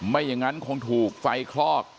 ไม่อย่างนั้นคงถูกไฟคลอก